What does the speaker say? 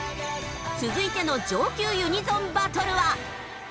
続いての上級ユニゾンバトルは。